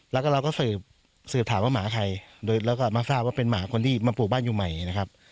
แล้วก็เราก็สืบถามว่าหมาใครแล้วก็มาทราบว่าเป็นหมาคนที่มาปลูกบ้านอยู่ใหม่นะครับ